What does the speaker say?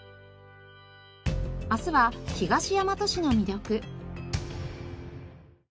明日は東大和市の魅力。